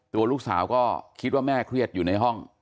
ตัวลูกสาวก็คิดว่าแม่เครียดอยู่ในห้อง